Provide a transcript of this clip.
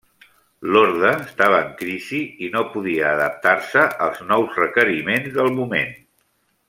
L'orde estava en crisi i no podia adaptar-se als nous requeriments del moment.